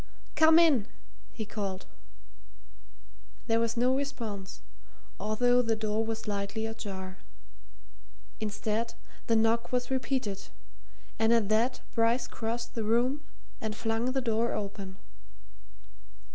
"Come in!" he called. There was no response, although the door was slightly ajar; instead, the knock was repeated, and at that Bryce crossed the room and flung the door open.